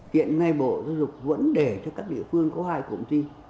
tiện ngay bộ giáo dục vẫn để cho các địa phương có hai cụm thi